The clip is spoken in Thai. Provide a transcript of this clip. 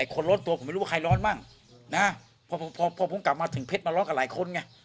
คนร้อนตัวผมไม่รู้ว่าใครร้อนมั่งนะพอผมกลับมาถึงเพชรมาร้อนกับหลายคนไง